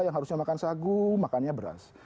yang harusnya makan sagu makannya beras